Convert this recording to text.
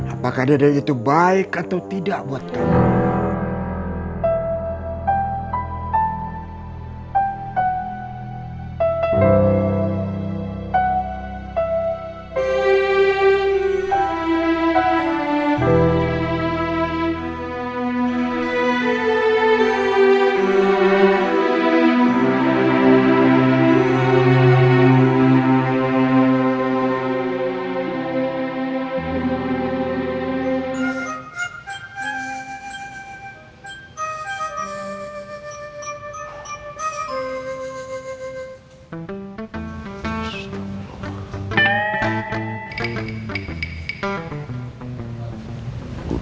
apakah dia itu baik atau tidak buat kamu